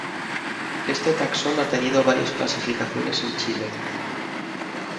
Este taxón ha tenido varias clasificaciones en Chile.